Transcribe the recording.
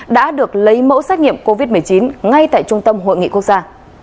đã được lấy mẫu xét nghiệm covid một mươi chín ngay tại trung tâm hội nghị quốc gia